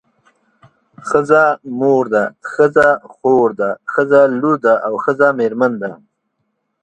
ښځه مور ده ښځه خور ده ښځه لور ده او ښځه میرمن ده.